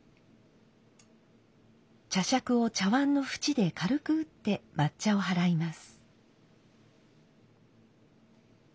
茶杓を茶碗の縁で軽く打って抹茶を払います。